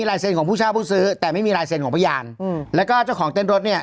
ได้ตรวจดูเอกสารที่ทางเต้นรถ